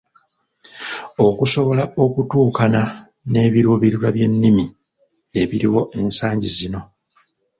Okusobola okutuukana n'ebiruubirirwa by'ennimi ebiriwo ensangi zino.